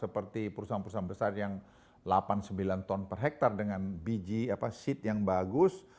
seperti perusahaan perusahaan besar yang delapan puluh sembilan ton per hektare dengan biji seat yang bagus